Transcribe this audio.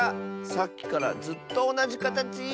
さっきからずっとおなじかたち！